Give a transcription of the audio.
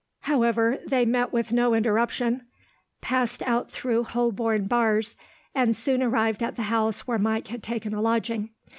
However, they met with no interruption, passed out through Holborn Bars, and soon arrived at the house where Mike had taken a lodging.